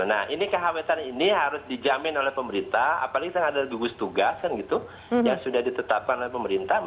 nah ini kekhawatiran ini harus dijamin oleh pemerintah apalagi kan ada gugus tugas kan gitu yang sudah ditetapkan oleh pemerintah